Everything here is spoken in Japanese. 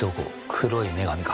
黒い女神か。